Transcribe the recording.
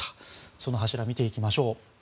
その柱を見ていきましょう。